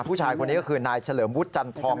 ผู้ชายคนนี้ก็คือนายเฉลิมวุฒิจันทอง